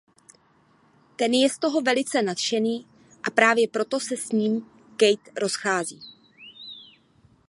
Ten je z toho velice nadšený a právě proto se s ním Kate rozchází.